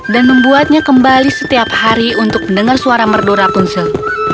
dan membuatnya kembali setiap hari untuk mendengar suara merdora rapunzel